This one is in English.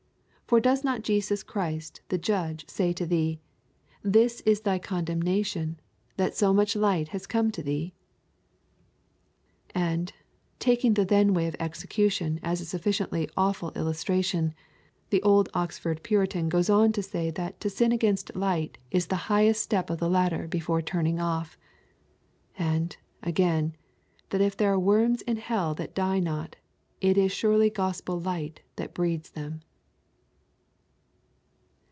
For does not Jesus Christ the Judge say to thee, This is thy condemnation, that so much light has come to thee?' And, taking the then way of execution as a sufficiently awful illustration, the old Oxford Puritan goes on to say that to sin against light is the highest step of the ladder before turning off. And, again, that if there are worms in hell that die not, it is surely gospel light that breeds them.